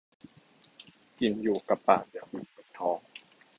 กินอยู่กับปากอยากอยู่กับท้อง